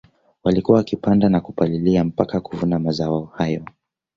Walikuwa wakipanda na kupalilia mpaka kuvuna mazao hayo